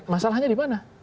masalahnya di mana